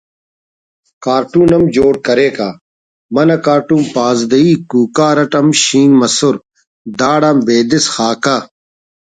کارٹون ہم جوڑ کریکہ منہ کارٹون پانزدئی کوکار اٹ ہم شینک مسر داڑان بیدس خاکہ